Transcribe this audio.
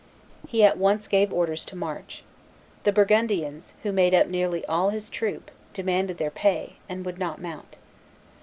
He at once gave orders to march. The Burgundians, who made up nearly all his troop, demanded their pay, and would not mount.